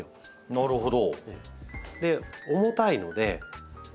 なるほど。